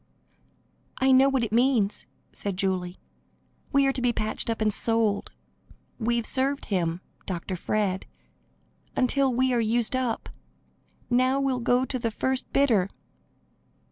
"I know what it means," said Julie. "We are to be patched up and sold. We've served him (Dr. Fred) until we are used up; now we'll go to the first bidder."